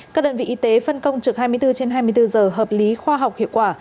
các đơn vị y tế phân công trực hai mươi bốn trên hai mươi bốn giờ hợp lý khoa học hiệu quả